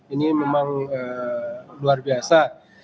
ini memang luar biasa